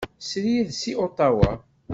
Srid seg Otawa.